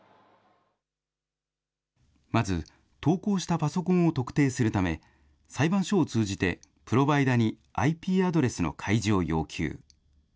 まず投稿したパソコンを特定するため、裁判所を通じてプロバイダーにＩＰアドレスの開示を要求。